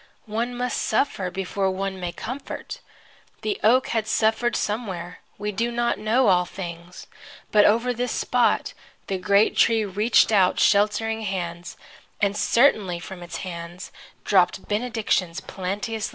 One must suffer before one may comfort. The oak had suffered somewhere. We do not know all things. But over this spot the great tree reached out sheltering hands, and certainly from its hands dropped benedictions plenteously down.